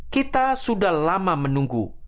kita sudah lama menunggu